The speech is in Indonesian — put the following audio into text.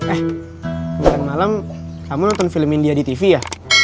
eh bulan malam kamu nonton film india di tv ya